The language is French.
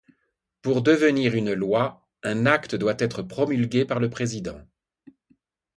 Pour devenir une loi, un acte doit être promulgué par le Président.